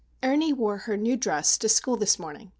Ernie wore her new dress to school this morning.